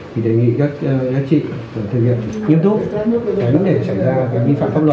thì đề nghị các giác trị thực nghiệp nghiêm túc đến để xảy ra các vi phạm pháp luật